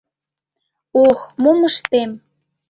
Ох, мом ыштем!..